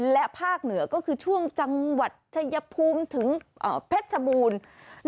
และภาคเหนือก็คือช่วงจังหวัดชายภูมิถึงเพชรชบูรณ์